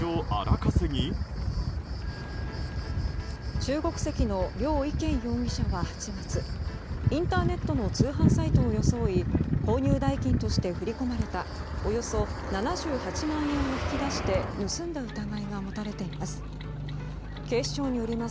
中国籍のリョウ・イケン容疑者は８月インターネットの通販サイトを装い購入代金として振り込まれたおよそ７８万円を引き出して盗んだ疑いが持たれています。